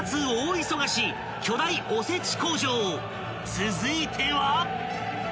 ［続いては］